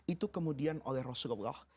itu kemudian oleh rasulullah